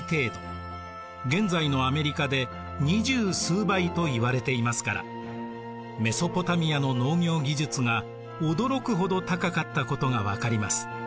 現在のアメリカで２０数倍といわれていますからメソポタミアの農業技術が驚くほど高かったことが分かります。